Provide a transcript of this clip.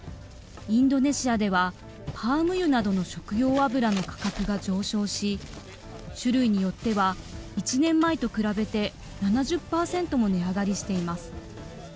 インドネシアでは、パーム油などの食用油の価格が上昇し、種類によっては１年前と比べて、７０％も値上がりしています。